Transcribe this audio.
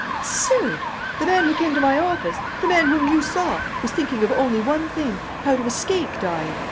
Absurd! The man who came to my office, the man whom you saw, was thinking of only one thing: how to escape dying!